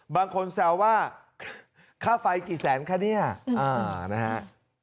บางคนแซวว่าค่าไฟกี่แสนคะเนี่ยนะฮะ